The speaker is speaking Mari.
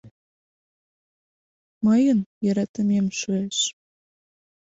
Мыйын йӧратымем шуэш.